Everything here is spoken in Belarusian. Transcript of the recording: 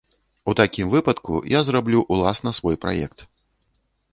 У такім выпадку я зраблю ўласна свой праект.